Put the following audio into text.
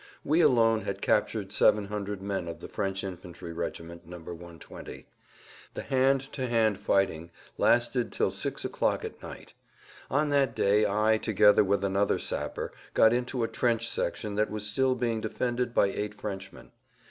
We alone had captured 700 men of the French infantry regiment No. 120. The hand to hand fighting lasted till six o'clock at night. On that day I, together with another sapper, got into a trench section that was still being defended by eight Frenchmen.